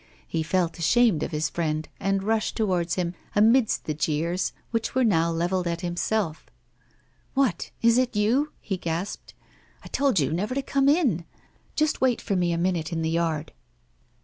He felt ashamed of his friend, and rushed towards him, amidst the jeers, which were now levelled at himself: 'What, is it you?' he gasped. 'I told you never to come in. Just wait for me a minute in the yard.